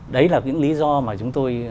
đấy là những lý do mà chúng tôi